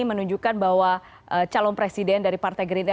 menunjukkan bahwa calon presiden dari partai gerindra